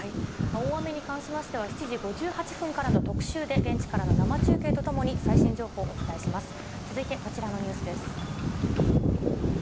大雨に関しましては、７時５８分からの特シューで現地からの生中継とともに最新情報をお伝えします。